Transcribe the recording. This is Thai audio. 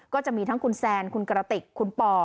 ก็จะมีทั้งคุณแซนคุณกระติกคุณปอ